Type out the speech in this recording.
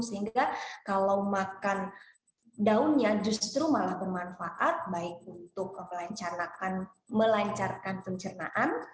sehingga kalau makan daunnya justru malah bermanfaat baik untuk melancarkan pencernaan